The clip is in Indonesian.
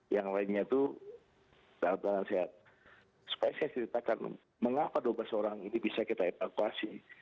yang lainnya itu dalam keadaan sehat supaya saya ceritakan mengapa dua belas orang ini bisa kita evakuasi